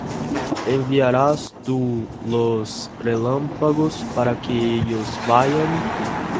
¿Enviarás tú los relámpagos, para que ellos vayan?